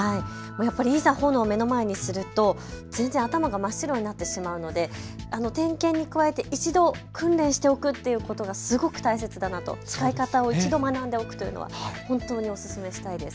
いざ炎を目の前にすると頭が真っ白になってしまうので点検に加えて、１度訓練しておくということがすごく大切だなと、使い方を１度学んでおくというのを本当にお勧めしたいです。